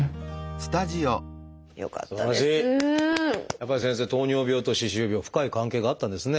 やっぱり先生糖尿病と歯周病深い関係があったんですね。